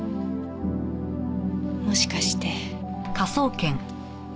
もしかして。